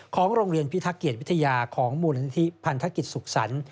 ของโรงเรียนพิทักเกียจวิทยาของมูลนิธิพันธกิจสุขสรรค์